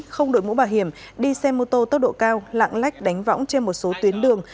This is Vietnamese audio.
không đội mũ bảo hiểm đi xe mô tô tốc độ cao lạng lách đánh võng trên một số tuyến đường